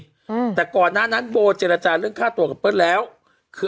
อืมแต่ก่อนหน้านั้นโบเจรจาเรื่องค่าตัวกับเปิ้ลแล้วคือ